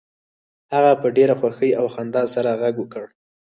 هغه په ډیره خوښۍ او خندا سره غږ وکړ